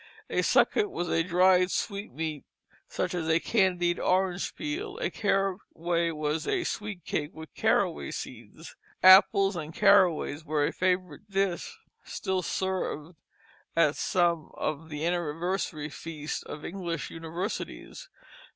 A sucket was a dried sweetmeat such as candied orange peel. A caraway was a sweet cake with caraway seeds. Apples and caraways were a favorite dish, still served at some of the anniversary feasts of English universities.